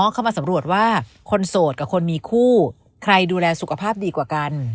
เข้ามาสำรวจว่าคนโสดกับคนมีคู่ใครดูแลสุขภาพดีกว่ากัน